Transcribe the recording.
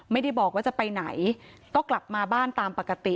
ไม่ได้บอกว่าจะไปไหนก็กลับมาบ้านตามปกติ